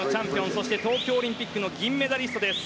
そして東京オリンピックの銀メダリストです。